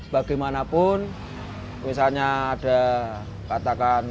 bagaimanapun misalnya ada katakan